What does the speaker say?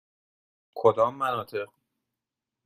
کدام مناطق؟